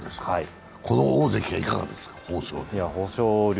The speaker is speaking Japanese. この大関はいかがですか、豊昇龍。